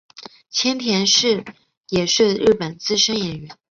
千田是也是日本资深演员。